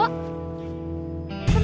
sama kak aldo